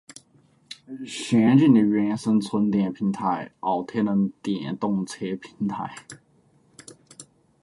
先进的原生纯电平台奥特能电动车平台